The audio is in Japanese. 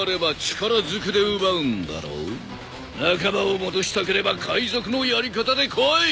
仲間を戻したければ海賊のやり方でこい。